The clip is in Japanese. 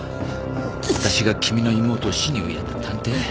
私が君の妹を死に追いやった探偵？